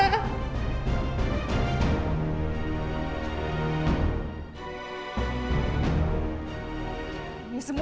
aku akan mencari riri